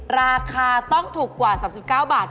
ราคาต้องถูกกว่า๓๙บาท